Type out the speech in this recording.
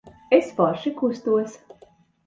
Es forši kustos.